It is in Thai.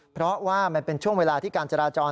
เพราะว่ามันเป็นช่วงเวลาที่การจราจร